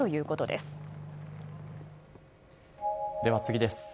では次です。